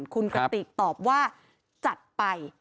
คุณกติกตอบว่าจัดไป